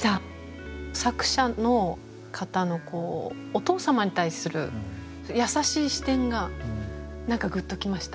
作者の方のお父様に対する優しい視点が何かグッときました。